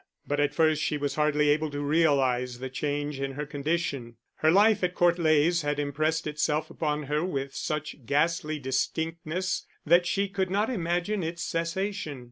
But at first she was hardly able to realise the change in her condition. Her life at Court Leys had impressed itself upon her with such ghastly distinctness that she could not imagine its cessation.